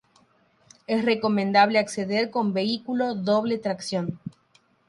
Es recomendable acceder con vehículo doble tracción.